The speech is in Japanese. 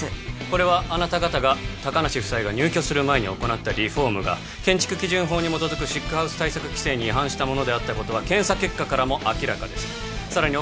これはあなた方が高梨夫妻が入居する前に行ったリフォームが建築基準法に基づくシックハウス対策規制に違反したものであったことは検査結果からも明らかですさらに